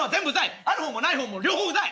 ある方もない方も両方うざい。